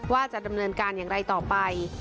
ว่าจะดำเนินการอย่างไรต่อไป